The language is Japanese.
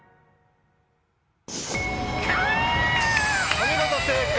お見事正解です。